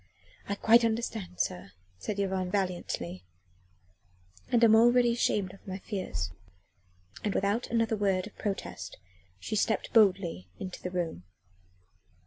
"I quite understand, sir," said Yvonne valiantly, "and am already ashamed of my fears." And without another word of protest she stepped boldly into the room.